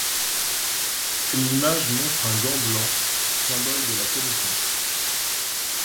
L'image montre un gant blanc, symbole de la connaissance.